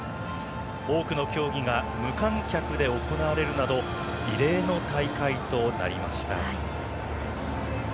多くの競技が無観客で行われるなど異例の大会となりました。